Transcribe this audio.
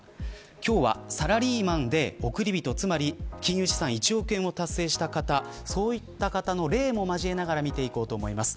今日は、サラリーマンで億り人つまり金融資産１億円を達成した方そういった方の例も交えながら見ていこうと思います。